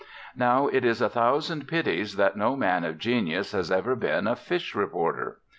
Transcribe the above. Now, it is a thousand pities that no man of genius has ever been a fish reporter.